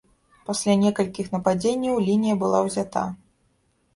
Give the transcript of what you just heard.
Пасля некалькіх нападзенняў лінія была ўзята.